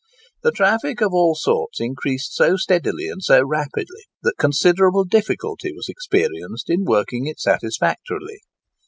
The traffic of all sorts increased so steadily and so rapidly that considerable difficulty was experienced in working it satisfactorily.